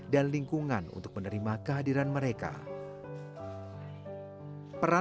dan lingkungan untuk menerima kehadiran mereka